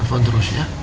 telepon terus ya